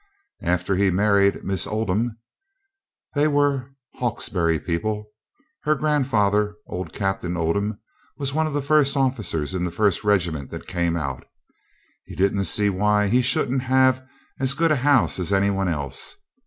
After he'd married Miss Oldham they were Hawkesbury people, her grandfather, old Captain Oldham, was one of the officers in the first regiment that came out he didn't see why he shouldn't have as good a house as any one else.